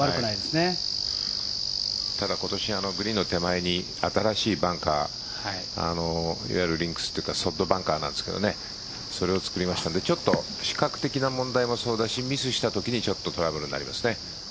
ただ、今年、グリーンの手前に新しいバンカーいわゆるリンクスというかソフトバンカーなんですがそれを作りましたのでちょっと視覚的な問題もそうだしミスしたときにトラブルになりますね。